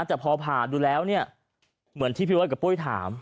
แต่พอผ่าดูแล้วเนี่ยเหมือนที่พี่เบิร์ตกับปุ้ยถาม